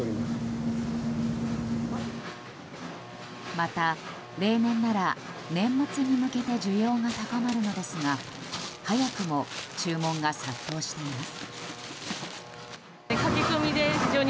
また、例年なら年末に向けて需要が高まるのですが早くも注文が殺到しています。